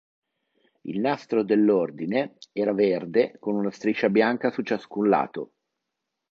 Il nastro dell'ordine era verde con una striscia bianca su ciascun lato.